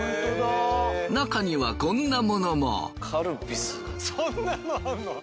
中にはこんなものも。